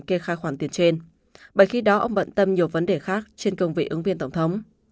kê khai khoản tiền trên bởi khi đó ông bận tâm nhiều vấn đề khác trên cương vị ứng viên tổng thống